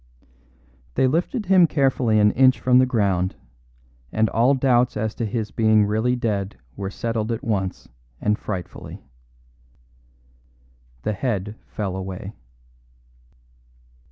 They lifted him carefully an inch from the ground, and all doubts as to his being really dead were settled at once and frightfully. The head fell away.